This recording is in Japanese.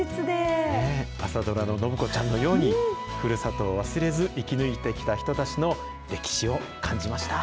朝ドラの暢子ちゃんのように、ふるさとを忘れず生き抜いてきた人たちの歴史を感じました。